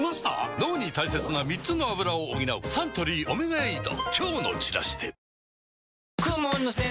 脳に大切な３つのアブラを補うサントリー「オメガエイド」